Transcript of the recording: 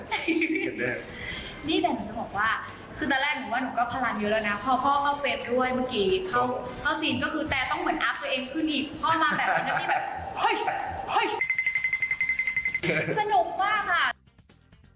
นี่แต่หนูจะบอกว่าคือตั้งแต่หนูก็พลันเยอะแล้วนะ